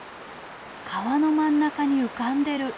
川の真ん中に浮かんでる。